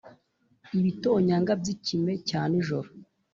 Ibitonyanga By Ikime Cya Nijoro